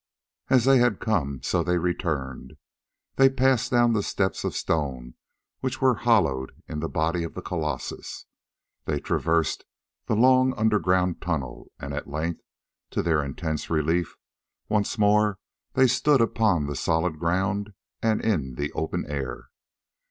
As they had come so they returned. They passed down the steps of stone which were hollowed in the body of the colossus; they traversed the long underground tunnel, and at length, to their intense relief, once more they stood upon the solid ground and in the open air.